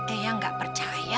eang gak percaya